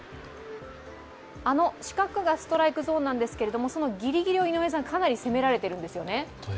あの四角がストライクゾーンなんですけれどもそのぎりぎりをかなり攻められているんですよね。